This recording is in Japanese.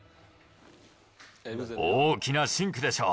大きなシンクでしょ。